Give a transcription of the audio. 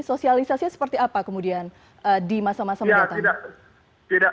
sosialisasinya seperti apa kemudian di masa masa mendatang